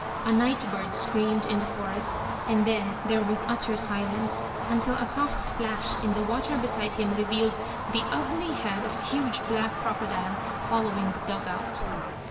A night bird screamed in the forest, and then there was utter silence, until a soft splash in the water beside him revealed the ugly head of a huge black crocodile following the dug out.